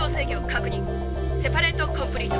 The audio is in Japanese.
「セパレートコンプリート。